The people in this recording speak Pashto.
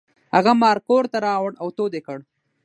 هغه مار کور ته راوړ او تود یې کړ.